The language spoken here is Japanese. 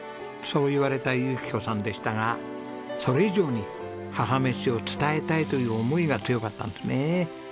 そう言われた由紀子さんでしたがそれ以上に母めしを伝えたいという思いが強かったんですね。